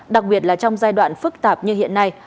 đặc biệt là trong giai đoạn phức tạp như hiện nay